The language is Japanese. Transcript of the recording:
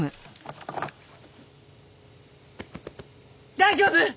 大丈夫！？